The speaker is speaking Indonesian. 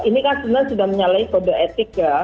ini kan sebenarnya sudah menyalahi kode etik ya